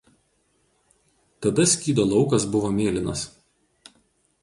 Tada skydo laukas buvo mėlynas.